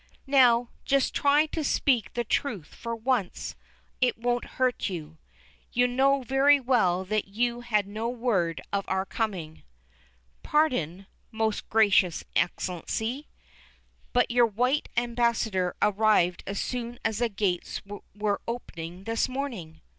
"Now, just try to speak the truth for once; it won't hurt you. You know very well that you had no word of our coming." "Pardon, most Gracious Excellency, but your white ambassador arrived as soon as the gates were open this morning."